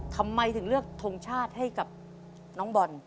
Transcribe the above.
ทำไมถึงเลือกทงชาติให้กับน้องบอล